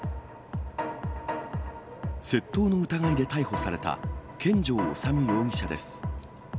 窃盗の疑いで逮捕された見城治容疑者です。